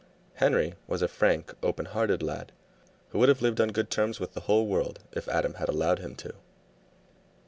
Henry was a frank, open hearted lad who would have lived on good terms with the whole world if Adam had allowed him to.